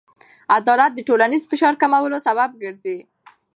عدالت د ټولنیز فشار کمولو سبب ګرځي.